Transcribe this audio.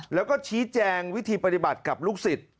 แล้วก็ชี้แจงวิธีปฏิบัติกับลูกศิษย์